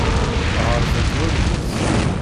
Ɣeṛṛbent wallen-is.